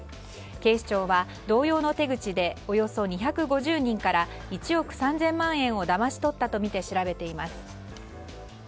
警視庁は同様の手口でおよそ２５０人から１億３０００万円をだまし取ったとみて調べています。